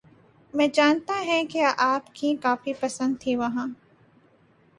میں جانتا ہیںں کہ آپ کیں کافی پسند تھیں وہاں